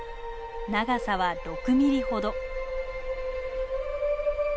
長さは６ミリほど。